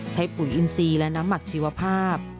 ปุ๋ยอินซีและน้ำหมักชีวภาพ